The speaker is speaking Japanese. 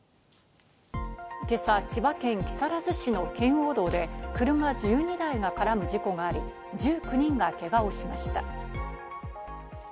今朝、千葉県木更津市の圏央道で車１２台が絡む事故があり、１９人がけがをしました。